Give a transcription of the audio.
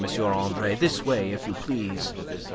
Andre; this way, if you please."